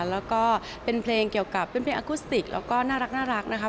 แล้วก็เป็นเพลงเกี่ยวกับเป็นเพลงอากุสติกแล้วก็น่ารักนะคะ